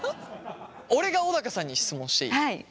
俺が小高さんに質問していい？